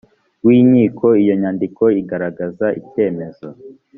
w inkiko iyo nyandiko igaragaza icyemezo